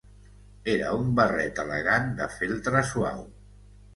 Era un barret elegant de feltre suau.